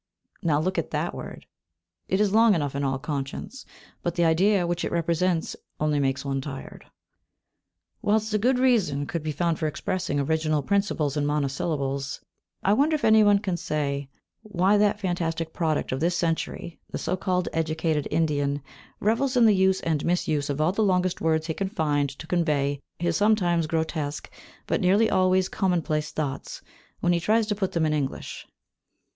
Now look at that word, it is long enough in all conscience, but the idea which it represents only makes one tired. Whilst a good reason could be found for expressing original principles in monosyllables, I wonder if any one can say why that fantastic product of this century, the (so called) educated Indian, revels in the use and misuse of all the longest words he can find to convey his, sometimes grotesque, but nearly always commonplace, thoughts, when he tries to put them in English.